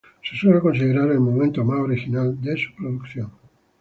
Se suele considerar el momento más original de su producción.